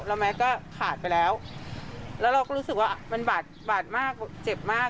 แล้วแม็กซก็ขาดไปแล้วแล้วเราก็รู้สึกว่ามันบาดบาดมากเจ็บมาก